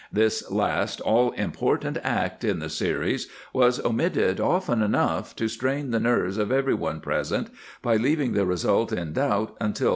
* This last all important act in the series was omitted often enough to strain the nerves of everyone present, by leaving the result in doubt until the last instant.